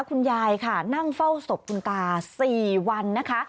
คุณยายค่ะนั่งเฝ้าศพคุณตา๔วันนะคะ